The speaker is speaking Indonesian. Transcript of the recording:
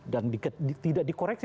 dan tidak dikoreksi